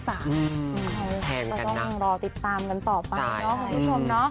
แทนกันนะเราต้องรอติดตามกันต่อไปเนอะคุณผู้ชมเนอะ